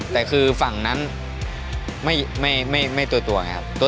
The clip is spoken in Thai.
แต่คือฝั่งนั้นไม่ตัวไงครับ